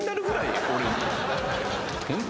ホント？